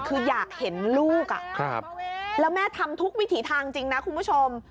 คืออยากเห็นลูกแล้วแม่ทำทุกวิถีทางจริงนะคุณผู้ชม